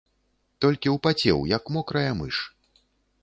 Толькі ўпацеў, як мокрая мыш.